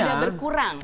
atau sudah berkurang